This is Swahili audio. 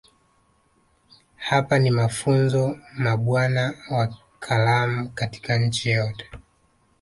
Hapa ni mafunzo mabwana wa kalamu katika nchi yote